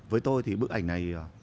với tôi thì bức ảnh này